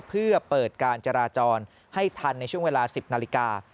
เพื่อเปิดการจราจรให้ทันในช่วงเวลา๑๐นาฬิกา